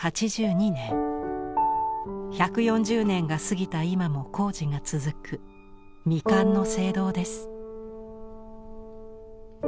１４０年が過ぎた今も工事が続く「未完の聖堂」です。